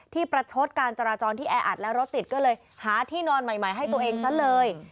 ประชดการจราจรที่แออัดและรถติดก็เลยหาที่นอนใหม่ให้ตัวเองซะเลย